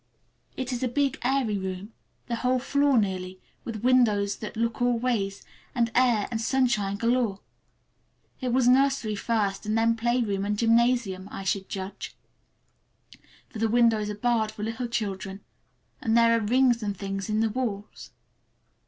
It is a big, airy room, the whole floor nearly, with windows that look all ways, and air and sunshine galore. It was nursery first and then playground and gymnasium, I should judge; for the windows are barred for little children, and there are rings and things in the walls.